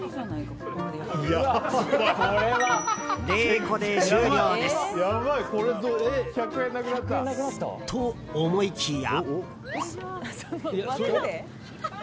０個で終了です。と思いきや。